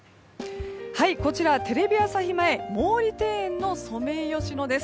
こちらテレビ朝日前毛利庭園のソメイヨシノです。